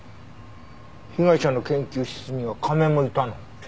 被害者の研究室には亀もいたの？